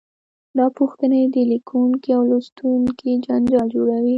دا پوښتنې د لیکونکي او لوستونکي جنجال جوړوي.